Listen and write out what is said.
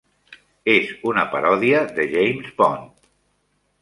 És una paròdia de James Bond.